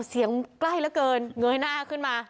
เสียงใกล้แล้วเกินเหงื่อหน้าขึ้นมา